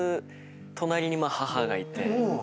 隣に母がいて。